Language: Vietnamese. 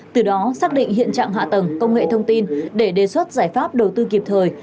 từ đó xác định hiện trạng hạ tầng công nghệ thông tin để đề xuất giải pháp đầu tư kịp thời